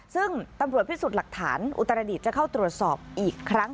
ซึ่งตำรวจพิสูจน์หลักฐานอุตรดิษฐ์จะเข้าตรวจสอบอีกครั้ง